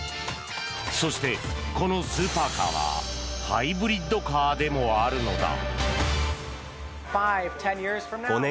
そして、このスーパーカーはハイブリッドカーでもあるのだ。